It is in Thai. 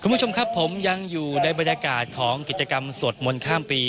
คุณผู้ชมครับผมยังอยู่ในบรรยากาศของกิจกรรมสวดมนต์ข้ามปี